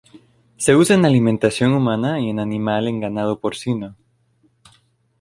Se usa en alimentación humana y en animal en ganado porcino.